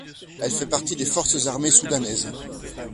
Elle fait partie des Forces armées soudanaises.